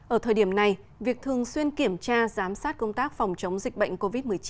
ở thời điểm này việc thường xuyên kiểm tra giám sát công tác phòng chống dịch bệnh covid một mươi chín